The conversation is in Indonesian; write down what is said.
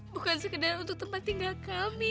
bukan sekedar untuk tempat tinggal kami